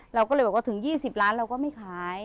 เราก็เลยบอกว่าถึง๒๐ล้านเราก็ไม่ขาย